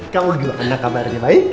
kamu gimana kabarnya baik